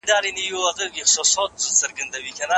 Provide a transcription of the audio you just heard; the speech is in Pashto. د وینې ورکولو سیمه ییز مرکز ته مراجعه وکړئ.